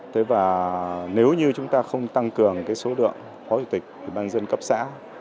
thế và nếu như chúng ta không tăng cường cái số lượng phó chủ tịch ủy ban dân cấp xã